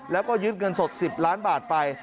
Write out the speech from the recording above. แล้วก็ยึดเงินสด๑๐ล้านบาทไป